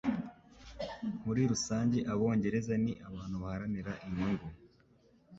Muri rusange Abongereza ni abantu baharanira inyungu.